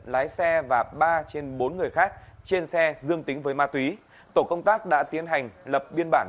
lái xe và ba trên bốn người khác trên xe dương tính với ma túy tổ công tác đã tiến hành lập biên bản